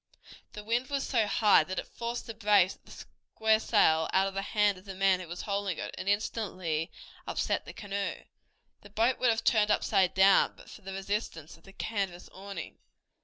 The wind was so high that it forced the brace of the square sail out of the hand of the man who was holding it, and instantly upset the canoe. The boat would have turned upside down but for the resistance of the canvas awning.